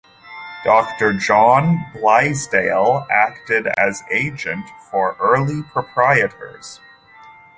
Doctor John Blaisdell acted as agent for early proprietors.